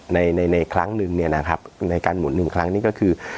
ในในครั้งหนึ่งเนี่ยนะครับในการหมุนหนึ่งครั้งนี้ก็คือ